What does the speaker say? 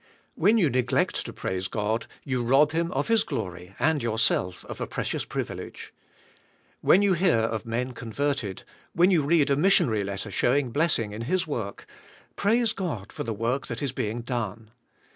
When you neglect to praise God you rob Him of His glory and yourself of a: precious privilege. When you hear of men con verted, when you read a missionary letter showing blessing in His work, praise God for the work that is being done.